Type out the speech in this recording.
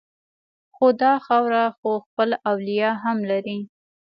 خو دا خاوره خو خپل اولیاء هم لري